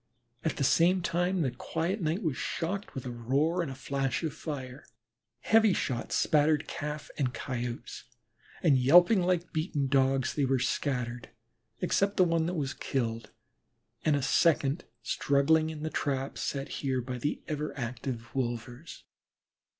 At the same time the quiet night was shocked with a roar and a flash of fire. Heavy shots spattered Calf and Coyotes, and yelping like beaten Dogs they scattered, excepting one that was killed and a second struggling in the trap set here by the ever active wolvers.